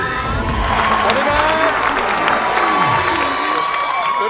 ขอบคุณครับ